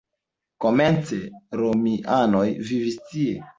Komence romianoj vivis tie.